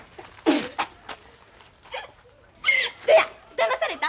だまされた？